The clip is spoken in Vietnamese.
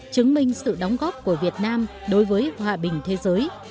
chứng minh sự đóng góp của việt nam đối với hòa bình thế giới